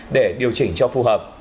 để điều chỉnh cho phù hợp